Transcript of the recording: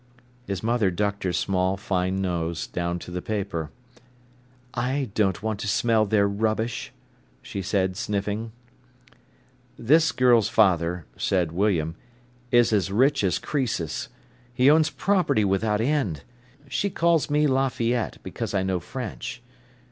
His mother ducked her small, fine nose down to the paper. "I don't want to smell their rubbish," she said, sniffing. "This girl's father," said William, "is as rich as Crœsus. He owns property without end. She calls me Lafayette, because I know French.